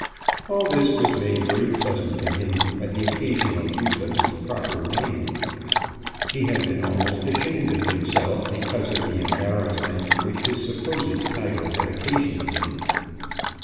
All this was made very pleasant to him by the occasional use of his proper name. He had been almost ashamed of himself because of the embarrassment which his supposed title had occasioned him.